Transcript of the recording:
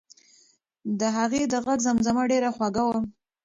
د هغې د غږ زمزمه ډېره خوږه وه.